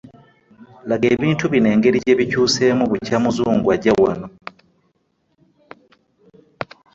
Laga ebintu bino engeri gye bikyuseemu bukya Muzungu ajja wano.